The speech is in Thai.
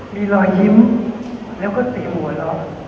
มีรอยยิ้มแล้วก็ติดหัวล้อ